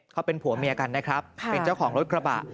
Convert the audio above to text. เขาเป็นผัวเมียกันนะครับเป็นเจ้าของรถกระบะ